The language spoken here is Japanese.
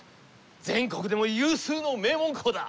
全国でも有数の名門校だ。